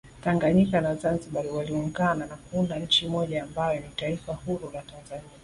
Tanganyika na zanzibar ziliungana na kuunda nchi moja ambayo ni taifa huru la Tanzania